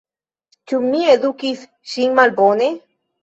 Ĉu mi edukis ŝin malbone?